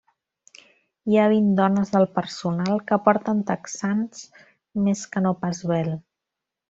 Hi ha vint dones del personal que porten texans més que no pas vel.